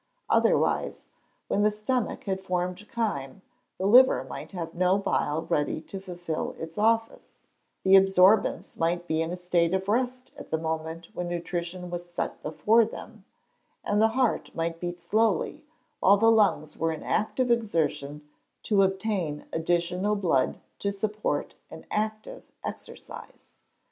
Otherwise, when the stomach had formed chyme, the liver might have no bile ready to fulfil its office; the absorbents might be in a state of rest at the moment when nutrition was set before them; and the heart might beat slowly, while the lungs were in active exertion to obtain additional blood to support an active exercise.